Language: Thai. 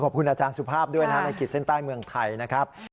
ขอบคุณอาจารย์สุภาพด้วยนะครับในขีดเส้นใต้เมืองไทยนะครับ